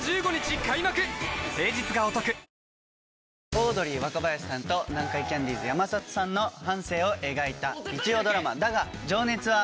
オードリー・若林さんと南海キャンディーズ・山里さんの半生を描いた日曜ドラマ『だが、情熱はある』。